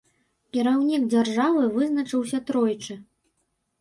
Кіраўнік дзяржавы вызначыўся тройчы.